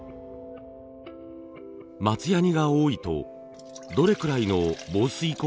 松ヤニが多いとどれくらいの防水効果があるのでしょうか。